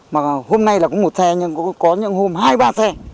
mà hôm nay là có một xe nhưng cũng có những hôm hai ba xe